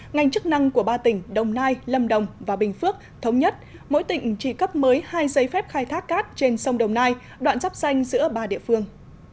ngành chức năng của ba tỉnh đồng nai lâm đồng và bình phước thống nhất mỗi tỉnh chỉ cấp mới hai giấy phép khai thác cát trên sông đồng nai đoạn dắp xanh giữa ba địa phương